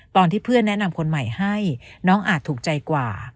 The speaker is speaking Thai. ตอนที่เพื่อนแนะนำคนใหม่ให้น้องอาจถูกใจกว่า